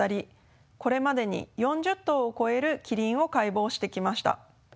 これまでに４０頭を超えるキリンを解剖してきました。